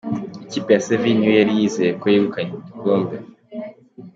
ikipe ya seville niyo yari yizeye ko yegukanye igikombe